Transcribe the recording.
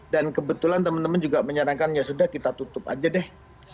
dan kebetulan temen temen juga menyarankan ya sudah kita tutup aja deh